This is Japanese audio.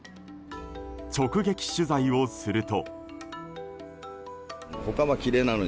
直撃取材をすると。